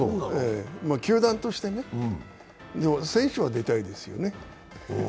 球団としてね、選手は出たいですよね。